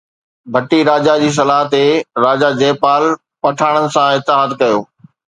ڀٽي راجا جي صلاح تي راجا جيپال پٺاڻن سان اتحاد ڪيو